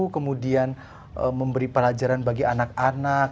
kemudian memberi pelajaran bagi anak anak